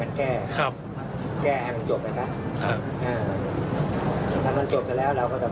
ก็อยู่ด้วยวัดเป็นสูงออกจากบุญใช่ไหมครับ